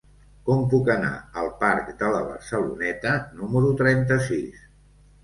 Com puc anar al parc de la Barceloneta número trenta-sis?